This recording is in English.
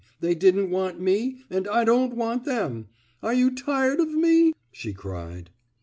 They didn't want me, and I don't want them. Are you tired of mef " she cried.